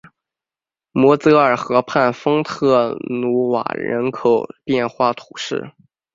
摩泽尔河畔丰特努瓦人口变化图示